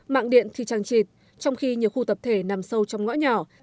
mạng điện thì trăng trịt trong khi nhiều khu tập thể nằm sâu trong ngõ nhỏ